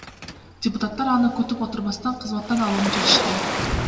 Депутаттар аны күтүп отурбастан кызматтан алууну чечишти.